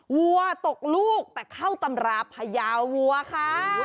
วัวตกลูกแต่เข้าตำราพญาวัวค่ะ